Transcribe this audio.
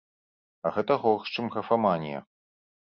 А гэта горш, чым графаманія.